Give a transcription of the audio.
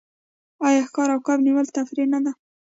آیا ښکار او کب نیول تفریح نه ده؟